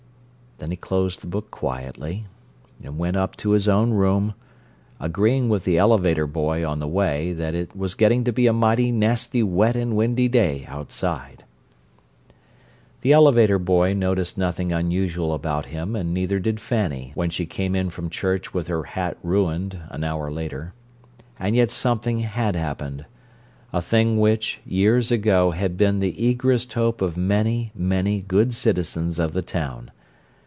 Then he closed the book quietly, and went up to his own room, agreeing with the elevator boy, on the way, that it was getting to be a mighty nasty wet and windy day outside. The elevator boy noticed nothing unusual about him and neither did Fanny, when she came in from church with her hat ruined, an hour later. And yet something had happened—a thing which, years ago, had been the eagerest hope of many, many good citizens of the town.